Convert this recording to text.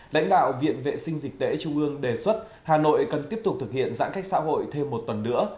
lãnh đạo viện vệ sinh dịch tễ trung ương đề xuất hà nội cần tiếp tục thực hiện giãn cách xã hội thêm một tuần nữa